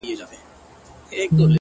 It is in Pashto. په هغې باندي چا کوډي کړي ـ